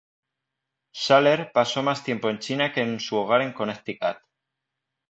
Schaller pasó más tiempo en China que en su hogar en Connecticut.